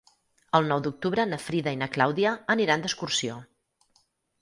El nou d'octubre na Frida i na Clàudia aniran d'excursió.